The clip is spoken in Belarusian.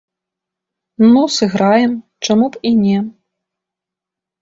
Ну, сыграем, чаму б і не.